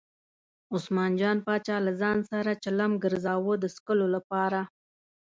عثمان جان پاچا له ځان سره چلم ګرځاوه د څکلو لپاره.